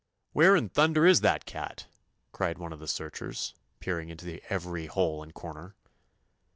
"Where in thunder is that cat?" cried one of the searchers, peering into every hole and corner.